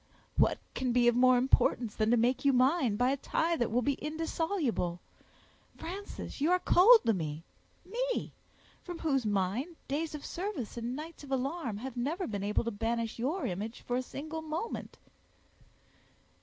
"What can be of more importance than to make you mine by a tie that will be indissoluble! Frances, you are cold to me—me—from whose mind, days of service and nights of alarm have never been able to banish your image for a single moment."